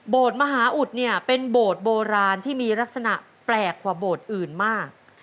มหาอุดเนี่ยเป็นโบสถ์โบราณที่มีลักษณะแปลกกว่าโบสถ์อื่นมาก